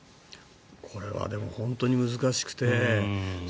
これはでも本当に難しくて。